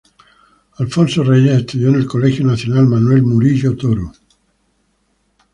Alfonso Reyes estudió en el Colegio Nacional Manuel Murillo Toro.